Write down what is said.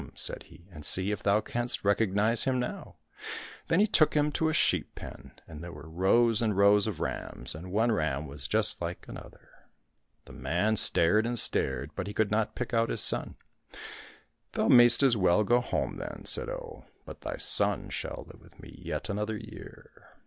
said he, " and see if thou canst recognize him now." Then he took him to a sheep pen, and there were rows and rows of rams, and one ram was just like another. The man stared and stared, but he could not pick out his son. " Thou mayst as well go home then," said Oh, " but thy son shall live with me yet another year."